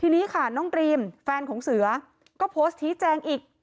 น้องเรียมแฟนเสือก็โพสส์ทีแจงอีก